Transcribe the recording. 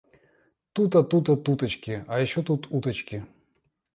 Тут, тута, туточки. А ещё тут уточки.